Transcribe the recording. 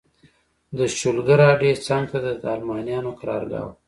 د شولګر اډې څنګ ته د المانیانو قرارګاه وه.